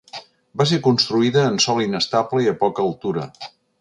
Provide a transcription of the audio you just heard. Va ser construïda en sòl inestable i a poca altura.